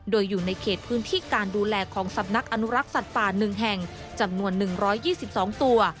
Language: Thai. โดยอยู่ในเขตพื้นที่การดูแลของสำนักอนุรักษ์สัตว์ป่า๑แห่งจำนวน๑๒๒ตัว